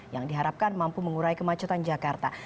yang diharapkan mampu mengurai kemacetan jakarta